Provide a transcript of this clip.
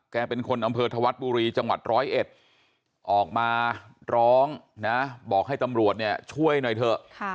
เป็นคนอำเภอธวัฒน์บุรีจังหวัดร้อยเอ็ดออกมาร้องนะบอกให้ตำรวจเนี่ยช่วยหน่อยเถอะ